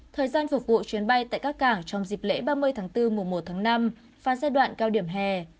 thời gian phục vụ chuyến bay tại các cảng trong dịp lễ ba mươi tháng bốn mùa một tháng năm và giai đoạn cao điểm hè